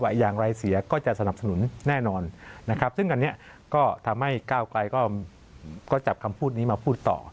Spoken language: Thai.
อย่างไรเสียก็จะสนับสนุนแน่นอนนะครับซึ่งอันนี้ก็ทำให้ก้าวไกลก็จับคำพูดนี้มาพูดต่อ